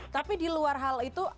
tapi di luar hal itu